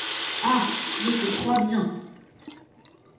Ah ! je te crois bien !